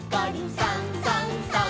「さんさんさん」